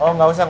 oh gak usah